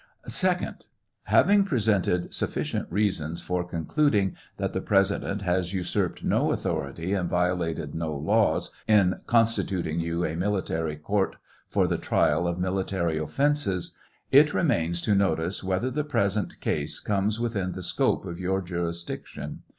Second. Having presented sufficient reasons for concluding that the President has usurped no authority and violated no laws in copetituting you a military court for the trial of military offences, it remains to notice whether the present case comes within the scope of your jurisdiction.